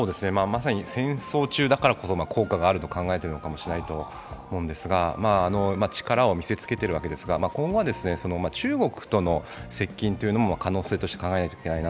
まさに戦争中だからこそ効果があるかもしれないと考えているのかもしれないのですが、力を見せつけているわけですが今後は中国との接近というのも可能性として考えなきゃいけない。